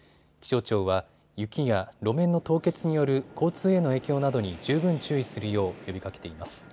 気象庁は雪や路面の凍結による交通への影響などに十分注意するよう呼びかけています。